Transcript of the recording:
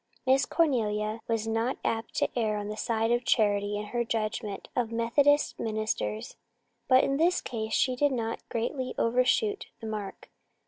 Miss Cornelia was not apt to err on the side of charity in her judgment of Methodist ministers, but in this case she did not greatly overshoot the mark.